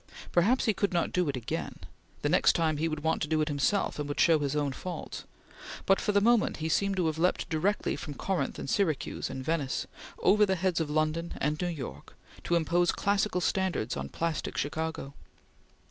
Perhaps he could not do it again; the next time he would want to do it himself and would show his own faults; but for the moment he seemed to have leaped directly from Corinth and Syracuse and Venice, over the heads of London and New York, to impose classical standards on plastic Chicago.